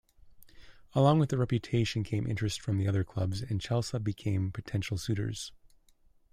Along with the reputation came interest from other clubs, and Chelsea became potential suitors.